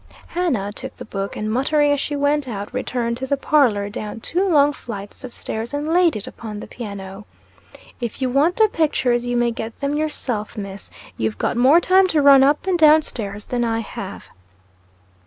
Hannah took the book, and muttering as she went out, returned to the parlor, down two long flights of stairs, and laid it upon the piano. "If you want the pictures, you may get them yourself, Miss; you've got more time to run up and down stairs than I have."